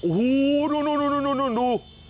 โอ้โหดู